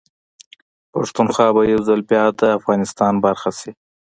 پښتونخوا به يوځل بيا ده افغانستان برخه شي